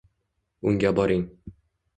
Unga boring